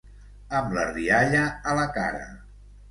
Amb la rialla a la cara.